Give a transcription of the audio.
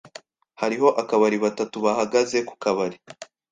Hariho akabari batatu bahagaze ku kabari.